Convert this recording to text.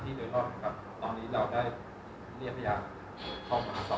ในการไล่ตั้งแต่ต้นตรอยในที่เกิดเห็นในสถานที่เร็วข้อนะครับ